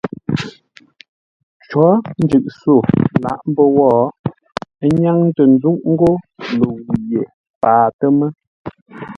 Cǒ njʉʼ-sô lǎʼ mbə́ wó ə́ nyáŋ tə́ ńzúʼ ńgó ləwʉ̂ ye paatə́ mə́.